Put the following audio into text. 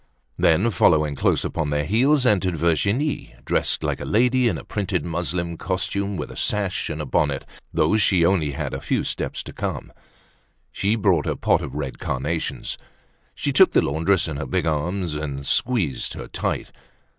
Then following close upon their heels entered Virginie dressed like a lady in a printed muslin costume with a sash and a bonnet though she had only a few steps to come. She brought a pot of red carnations. She took the laundress in her big arms and squeezed her tight.